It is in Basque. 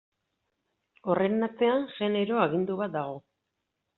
Horren atzean genero agindu bat dago.